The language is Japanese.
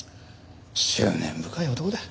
執念深い男だ。